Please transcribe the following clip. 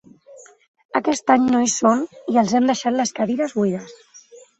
Aquest any no hi són i els hem deixat les cadires buides.